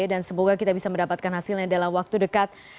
dan semoga kita bisa mendapatkan hasilnya dalam waktu dekat